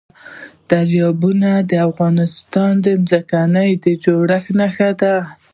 دریابونه د افغانستان د ځمکې د جوړښت نښه ده.